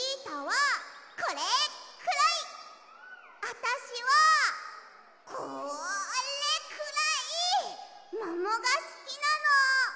あたしはこれくらいももがすきなの。